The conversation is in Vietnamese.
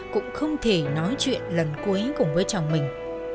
cũng không thể nói chuyện lần cuối cùng với chồng mình